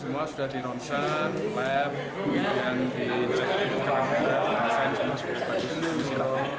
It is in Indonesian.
semua sudah di ronsan lab ujian di jadikan kemampuan penasaran semua seperti itu